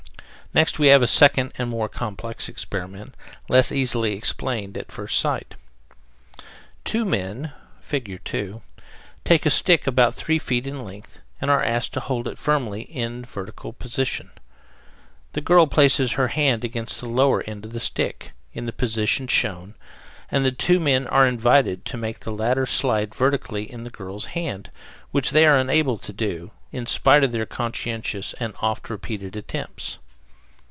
Next we have a second and more complex experiment, less easily explained at first sight. Two men (Fig. 2) take a stick about three feet in length, and are asked to hold it firmly in a vertical position. The girl places her hand against the lower end of the stick, in the position shown, and the two men are invited to make the latter slide vertically in the girl's hand, which they are unable to do, in spite of their conscientious and oft repeated attempts.